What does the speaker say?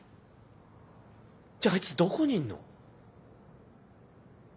じゃあいつどこにいんの？